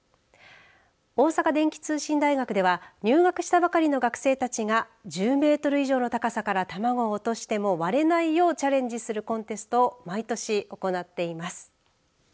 大阪電気通信大学では入学したばかりの学生たちが１０メートル以上の高さから卵を落としても割れないようチャレンジするコンテストを毎年行っています。